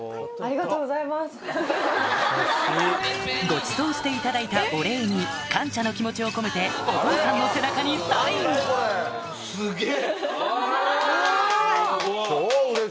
ごちそうしていただいたお礼に感謝の気持ちを込めてお父さんの背中にサインすげぇ！